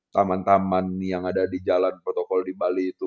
taman taman yang ada di jalan protokol di bali itu